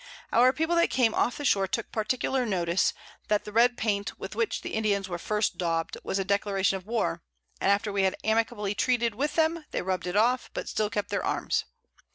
Our People that came off the Shore took particular notice, that the red Paint with which the Indians were at first daub'd, was a Declaration of War, and after we had amicably treated with them, they rub'd it off, but still kept their Arms.